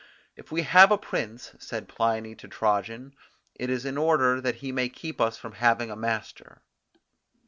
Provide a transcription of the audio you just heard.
If we have a prince, said Pliny to Trajan, it is in order that he may keep us from having a master.